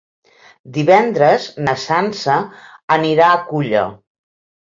Divendres na Sança anirà a Culla.